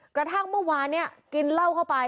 กระทั่งเมื่อวานเนี่ยกินเหล้าเข้าไป